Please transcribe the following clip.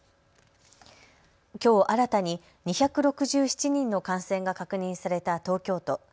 きょう新たに２６７人の感染が確認された東京都。